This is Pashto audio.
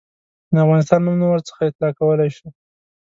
د افغانستان نوم نه ورڅخه اطلاقولای شو.